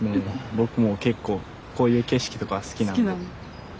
僕も結構こういう景色とか好きなんで。